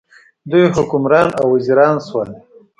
دوی حکمران او وزیران شول.